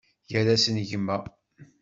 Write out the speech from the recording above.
Gar-asen gma.